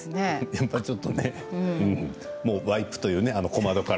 やっぱりちょっとねワイプというか